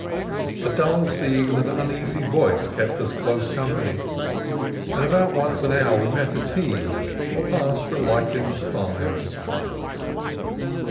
A dull sea with an uneasy voice kept us close company, and about once an hour we met a team or passed a lichened farmhouse.